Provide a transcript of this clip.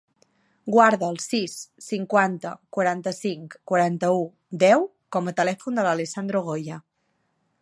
Guarda el sis, cinquanta, quaranta-cinc, quaranta-u, deu com a telèfon de l'Alessandro Goya.